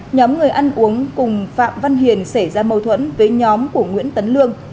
nhóm người ăn uống cùng phạm văn hiền xảy ra mâu thuẫn với nhóm của nguyễn tấn lương